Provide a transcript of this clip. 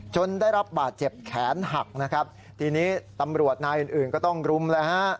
ได้รับบาดเจ็บแขนหักนะครับทีนี้ตำรวจนายอื่นอื่นก็ต้องรุมแล้วฮะ